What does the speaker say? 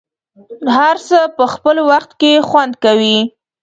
هر څه په خپل وخت کې خوند کوي.